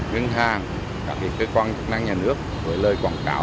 ngân hàng các cơ quan chức năng nhà nước với lời quảng cáo